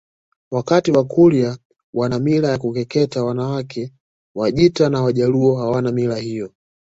wakati Wakurya wana mila ya kukeketa wanawake Wajita na Wajaluo hawana mila hiyo